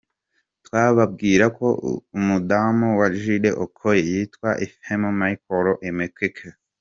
Twababwira ko umudamu wa Jude Okoye yitwa Ifeoma Michelle Umeokeke.